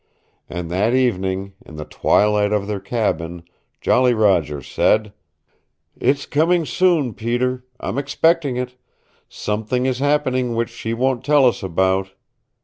And that evening, in the twilight of their cabin, Jolly Roger said, "It's coming soon, Peter. I'm expecting it. Something is happening which she won't tell us about.